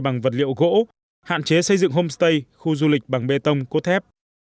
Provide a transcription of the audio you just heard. bằng vật liệu gỗ hạn chế xây dựng homestay khu du lịch bằng bê tông cốt thép